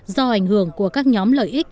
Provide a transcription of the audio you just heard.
do ảnh hưởng của các nhóm lợi ích